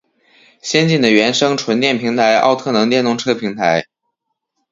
先进的原生纯电平台奥特能电动车平台